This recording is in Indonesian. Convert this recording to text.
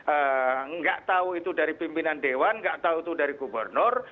enggak tahu itu dari pimpinan dewan nggak tahu itu dari gubernur